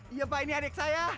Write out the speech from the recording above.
iya pak ini adik saya